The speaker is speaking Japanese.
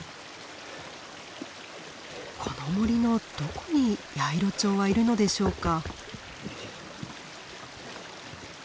この森のどこにヤイロチョウはいるのでしょうか。